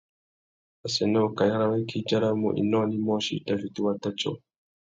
Assênē ukaï râ waki i djaramú « inônōh imôchï i tà fiti wata tiô ».